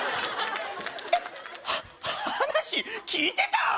話聞いてた？